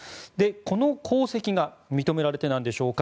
この功績が認められてなんでしょうか